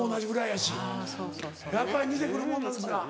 やっぱり似て来るもんなんですか？